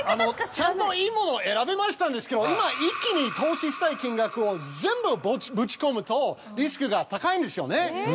ちゃんといいものを選びましたんですけど今一気に投資したい金額を全部ぶち込むとリスクが高いんですよね。